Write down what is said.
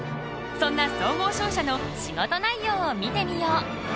そんな総合商社の仕事内容を見てみよう。